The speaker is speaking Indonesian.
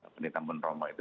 bapak bapak bapak itu